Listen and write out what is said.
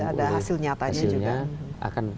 ada hasil nyatanya juga